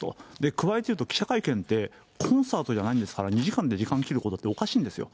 加えて言うと、記者会見って、コンサートじゃないですから、２時間で時間切ることって、おかしいんですよ。